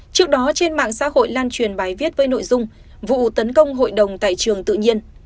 trước đó trên mạng xã hội lan truyền bài viết với nội dung vụ tấn công hội đồng tại trường tự nhiên